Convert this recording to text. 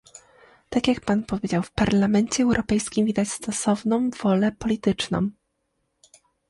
Tak jak pan powiedział, w Parlamencie Europejskim widać stosowną wolę polityczną